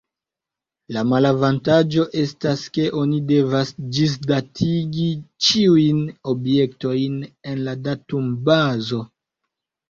La malavantaĝo estas, ke oni devas ĝisdatigi ĉiujn objektojn en la datumbazo.